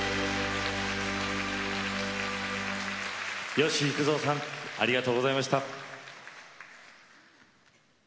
吉幾三さんありがとうございました。